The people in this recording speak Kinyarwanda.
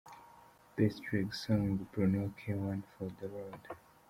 Best Reggae Song Bruno K – One For The Road.